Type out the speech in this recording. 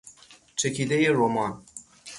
چکیدهی رمان